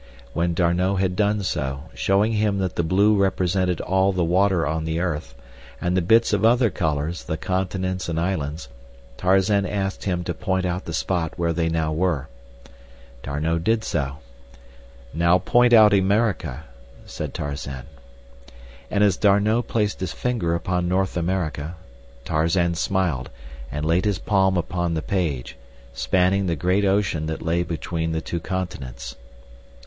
When D'Arnot had done so, showing him that the blue represented all the water on the earth, and the bits of other colors the continents and islands, Tarzan asked him to point out the spot where they now were. D'Arnot did so. "Now point out America," said Tarzan. And as D'Arnot placed his finger upon North America, Tarzan smiled and laid his palm upon the page, spanning the great ocean that lay between the two continents.